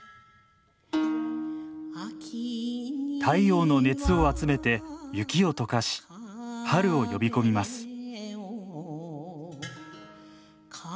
太陽の熱を集めて雪を解かし春を呼び込みます。